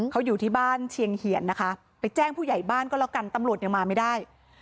เขาอยู่ที่บ้านเชียงเหียนนะคะไปแจ้งผู้ใหญ่บ้านก็แล้วกันตำรวจยังมาไม่ได้